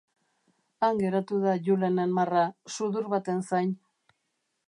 Han geratu da Julenen marra, sudur baten zain.